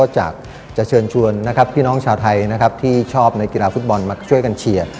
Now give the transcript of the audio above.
ฉะนั้นก็จะเชิญชวนพี่น้องชาวไทยที่ชอบในกีฬาฟุตบอลมาช่วยกันเชียร์